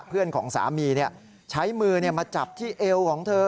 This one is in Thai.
เพื่อนของสามีใช้มือมาจับที่เอวของเธอ